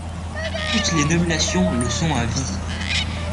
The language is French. Toutes les nominations le sont à vie.